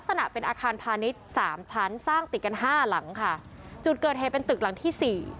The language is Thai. สร้างติดกันห้าหลังค่ะจุดเกิดเหตุเป็นตึกหลังที่สี่